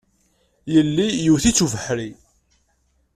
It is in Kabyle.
Yelli iwet-itt ubeḥri.